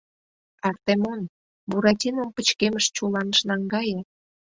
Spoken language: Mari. — Артемон, Буратином пычкемыш чуланыш наҥгае!